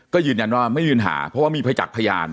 ก็ยืนยันว่าไม่ยืนหาเพราะว่ามีประจักษ์พยาน